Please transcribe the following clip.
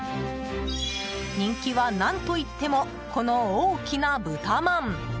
人気は、何といってもこの大きな豚まん。